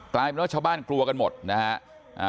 กลายเป็นว่าชาวบ้านกลัวกันหมดนะฮะ